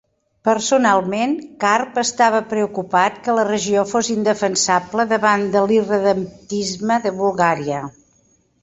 Personalment, Carp estava preocupat que la regió fos indefensable davant de l'irredemptisme de Bulgària.